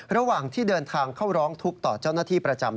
ระหว่างที่เดินทางเข้าร้องทุกข์ต่อเจ้าหน้าที่ประจำ